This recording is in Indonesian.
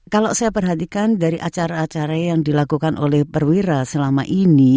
kalau saya perhatikan dari acara acara yang dilakukan oleh perwira selama ini